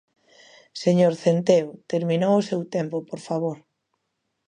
¡Señor Centeo, terminou o seu tempo, por favor!